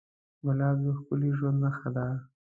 ګلاب د ښکلي ژوند نښه ده.